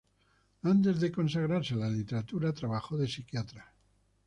Antes de consagrarse a la literatura trabajó de psiquiatra.